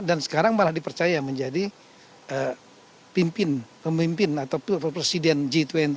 dan sekarang malah dipercaya menjadi pimpin pemimpin atau presiden g dua puluh